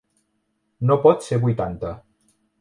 No pot ser vuitanta.